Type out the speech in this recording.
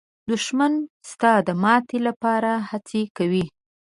دښمن ستا د ماتې لپاره هڅې کوي